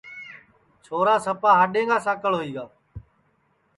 چھورا سپا ہاڈؔیں کا ساکݪ ہوئی گا